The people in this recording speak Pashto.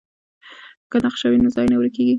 که نقشه وي نو ځای نه ورکېږي.